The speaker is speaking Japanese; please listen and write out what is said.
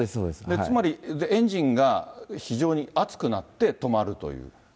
つまり、エンジンが非常に熱くなって止まるという？